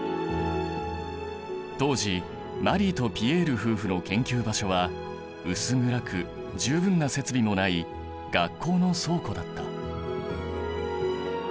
当時マリーとピエール夫婦の研究場所は薄暗く十分な設備もない学校の倉庫だった。